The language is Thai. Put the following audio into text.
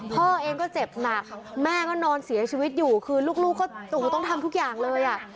พ่อเองก็เจ็บหนักแม่ก็นอนเสียชีวิตอยู่คือลูกก็ต้องทำทุกอย่างเลยอ่ะ